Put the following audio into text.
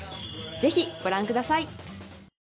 ぜひご覧ください。